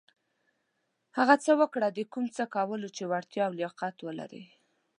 هغه څه وکړه د کوم څه کولو چې وړتېا او لياقت لرٸ.